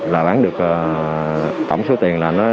là bán được tổng số tiền là